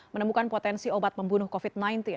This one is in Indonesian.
menemukan potensi obat membunuh covid sembilan belas